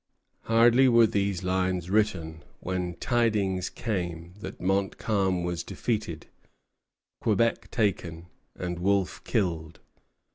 Hardly were these lines written when tidings came that Montcalm was defeated, Quebec taken, and Wolfe killed.